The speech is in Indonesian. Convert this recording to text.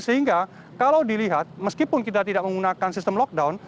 sehingga kalau dilihat meskipun kita tidak menggunakan sistem lockdown